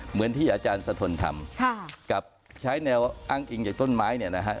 เหมือนที่อาจารย์สะทนทำกับใช้แนวอ้างอิงจากต้นไม้เนี่ยนะฮะ